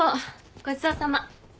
ごちそうさま。